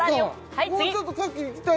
はい